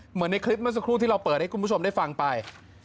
เหมือนในคลิปเมื่อสักครู่ที่เราเปิดให้คุณผู้ชมได้ฟังไป